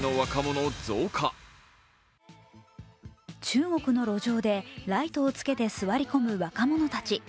中国の路上で、ライトをつけて座り込む若者たち。